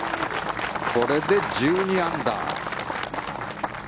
これで１２アンダー。